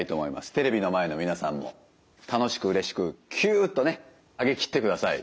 テレビの前の皆さんも楽しくうれしくきゅっとね上げきってください。